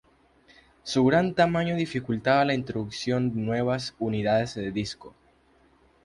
Su gran tamaño dificultaba la introducción de nuevas unidades de disco.